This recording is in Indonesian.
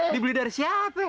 dibeli dari siapa